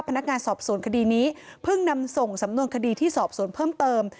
พนักงานสอบสวนคดีนี้เพิ่งนำส่งสำนวนคดีที่สอบสวนเพิ่มเติม